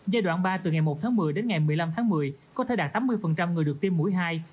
giai đoạn ba từ ngày một tháng một mươi đến ngày một mươi năm tháng một mươi có thể đạt tám mươi người được tiêm mũi hai